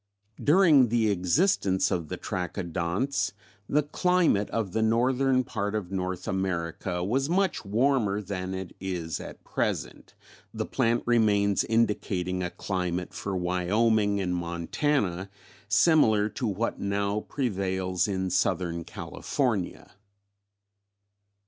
"During the existence of the Trachodonts the climate of the northern part of North America was much warmer than it is at present, the plant remains indicating a climate for Wyoming and Montana similar to what now prevails in Southern California.